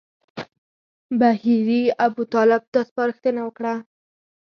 بهیري ابوطالب ته سپارښتنه وکړه.